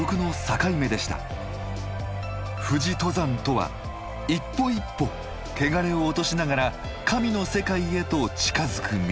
富士登山とは一歩一歩汚れを落としながら神の世界へと近づく道。